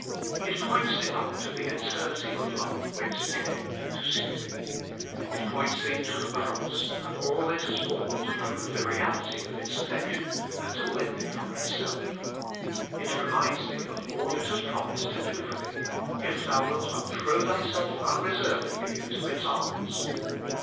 It points thee up to the eternity of love whence it came to seek thee. It points thee to the Cross, and all it has borne to prove the reality of its affection, and to win thee for itself. It reminds thee of all it has promised to do for thee, if thou wilt but throw thyself unreservedly into its arms.